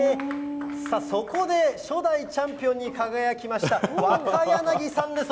さあ、そこで初代チャンピオンに輝きました若柳さんです。